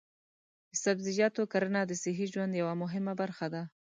د سبزیجاتو کرنه د صحي ژوند یوه مهمه برخه ده.